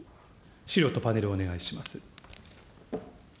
資料とパネルお願いします。